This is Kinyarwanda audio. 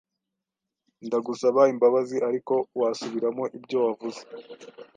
Ndagusaba imbabazi, ariko wasubiramo ibyo wavuze?